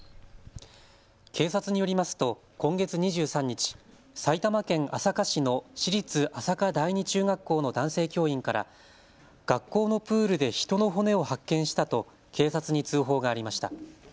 警察によりますと今月２３日、埼玉県朝霞市の市立朝霞第二中学校の男性教員から学校のプールで人の骨を発見したと警察に通報がありました。